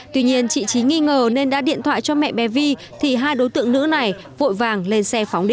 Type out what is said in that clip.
tuy nhiên chị trí nghi ngờ nên đã điện thoại cho mẹ bé vi thì hai đối tượng nữ này vội vàng lên xe phóng đi